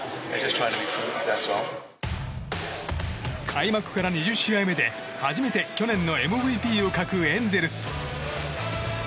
開幕から２０試合目で初めて去年のＭＶＰを欠くエンゼルス。